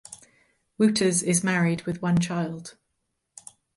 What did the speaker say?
Wouters is married with one child.